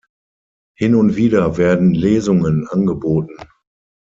Hin und wieder werden Lesungen angeboten.